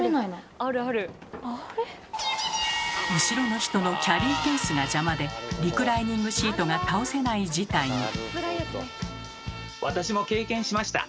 後ろの人のキャリーケースが邪魔でリクライニングシートが倒せない事態に。